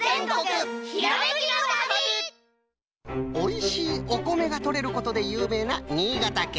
おいしいおこめがとれることでゆうめいな新潟県。